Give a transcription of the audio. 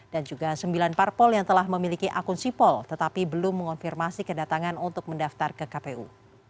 dan juga sembilan parpol yang telah memiliki akun sipol tetapi belum mengonfirmasi kedatangan untuk mendaftar ke kpu